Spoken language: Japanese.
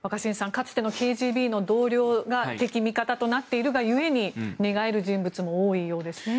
かつてのＫＧＢの同僚が敵味方となっているが故に寝返る人物も多いようですね。